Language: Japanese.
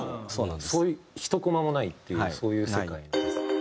そういう１コマもないっていうそういう世界なんですよ。